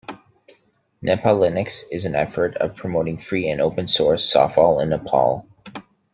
NepaLinux is an effort of promoting free and open-source software in Nepal.